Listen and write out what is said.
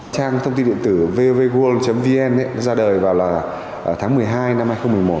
trang thông tin điện tử vevg vn ra đời vào tháng một mươi hai năm hai nghìn một mươi một